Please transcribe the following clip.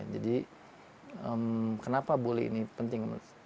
jadi kenapa bully ini penting